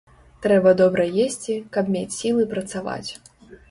Трэба добра есці, каб мець сілы працаваць.